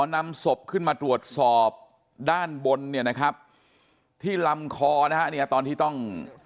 ขอนำศพขึ้นมาตรวจสอบด้านบนที่ลำคอตอนที่ต้อง